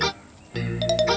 keh gini ya